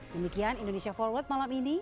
demikian indonesia forward malam ini